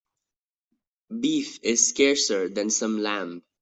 Beef is scarcer than some lamb.